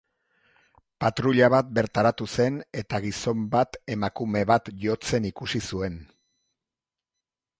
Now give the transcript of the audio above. Patruila bat bertaratu zen, eta gizon bat emakume bat jotzen ikusi zuen.